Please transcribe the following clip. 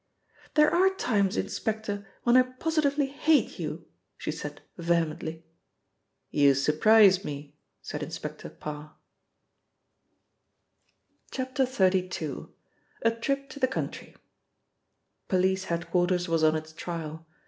"There are times, inspector, when I positively hate you!" she said vehemently. "You surprise me," said Inspector Parr. XXXII. — A TRIP TO THE COUNTRY POLICE head quarters was on its trial.